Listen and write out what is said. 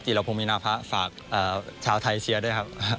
จิตรพรมนาภาษาฝากเอ่อชาวไทยเชียร์ด้วยครับฮะ